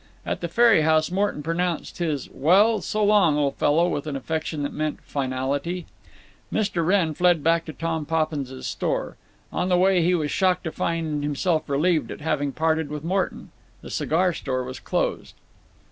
At the ferry house Morton pronounced his "Well, so long, old fellow" with an affection that meant finality. Mr. Wrenn fled back to Tom Poppins's store. On the way he was shocked to find himself relieved at having parted with Morton. The cigar store was closed.